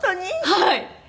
はい。